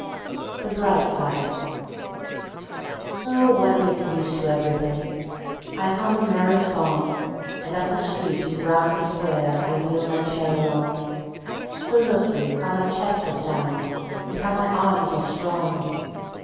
_ (The Bright Side) Oh, one gets used to everything! I hum a merry song, And up the street and round the square I wheel my chair along; For look you, how my chest is sound And how my arms are strong!